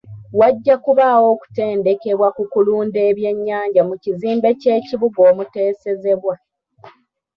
Wajja kubaawo okutendekebwa ku kulunda ebyennyanja mu kizimbe ky'ekibuga omuteesezebwa.